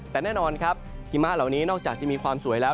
แต่แน่นอนครับหิมะเหล่านี้นอกจากจะมีความสวยแล้ว